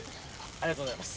ありがとうございます。